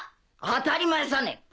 当たり前さね。